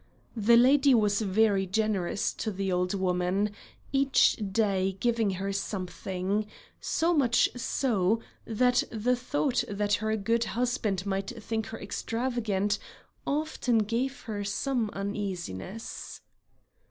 The lady was very generous to the old woman, each day giving her something; so much so, that the thought that her good husband might think her extravagant often gave her some uneasiness.